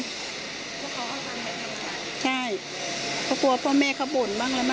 เพราะเขาค้างค่าเทิมใช่ใช่เขากลัวพ่อแม่เขาบ่นบ้างแล้ว